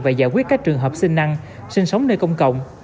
và giải quyết các trường hợp xiê năng sinh sống nơi công cộng